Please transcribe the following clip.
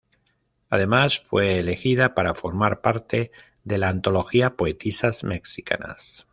Además fue elegida para formar parte de la antología "Poetisas mexicanas.